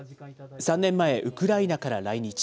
３年前、ウクライナから来日。